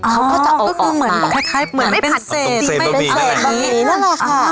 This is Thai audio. เขาก็จะเอาออกมาก็คือเหมือนคล้ายคล้ายเหมือนไอ้ผัดเศษตรงเศษบะหมี่นั่นแหละค่ะอ๋อ